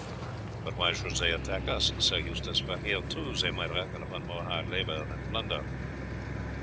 "But why should they attack us, Sir Eustace? for here, too, they might reckon upon more hard blows than plunder."